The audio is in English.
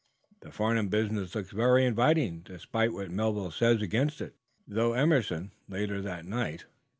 "The Farnum business looks very inviting, despite what Melville says against it," thought Broughton Emerson, later that night.